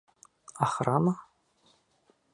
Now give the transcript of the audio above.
Охрана?